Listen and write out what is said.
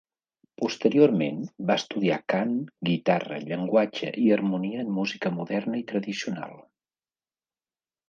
Posteriorment va estudiar cant, guitarra, llenguatge i harmonia en música moderna i tradicional.